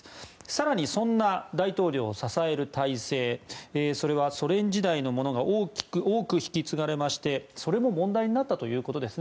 更にそんな大統領を支える体制それはソ連時代のものが多く引き継がれましてそれも問題になったということです。